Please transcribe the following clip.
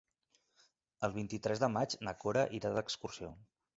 El vint-i-tres de maig na Cora irà d'excursió.